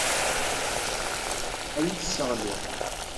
Ad iyi-tesseɣliḍ.